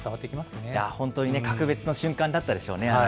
本当に格別の瞬間だったでしょうね、あの